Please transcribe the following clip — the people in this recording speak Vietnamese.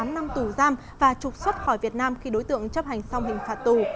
tám năm tù giam và trục xuất khỏi việt nam khi đối tượng chấp hành xong hình phạt tù